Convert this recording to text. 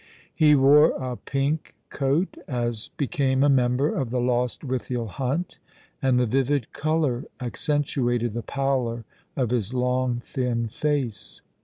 He wore a pink coat, as became a member of the Lost withiel Hunt, and the vivid colour accentuated the pallor of his long thin face.